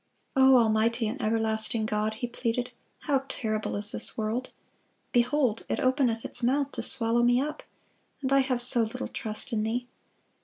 "O almighty and everlasting God," he pleaded, "how terrible is this world! Behold, it openeth its mouth to swallow me up, and I have so little trust in Thee....